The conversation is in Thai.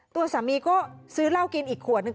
ตัวสามีก็ซื้อเหล้ากินอีกขวดนึง